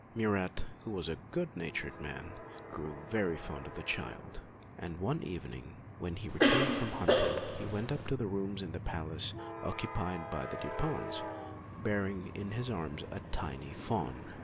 Murat, who was a good natured man, grew very fond of the child, and one evening when he returned from hunting he went up to the rooms in the palace occupied by the Dupins bearing in his arms a tiny fawn.